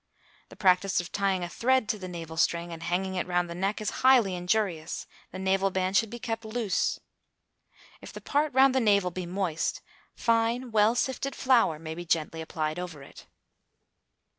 The practice of tying a thread to the navel string and hanging it round the neck is highly injurious. The navel band should be kept loose. If the part round the navel be moist, fine well sifted flour may be gently applied over it.